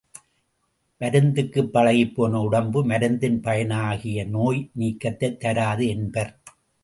மருந்துக்குப் பழகிப்போன உடம்பு மருந்தின் பயனாகிய நோய் நீக்கத்தைத் தராது என்பர்.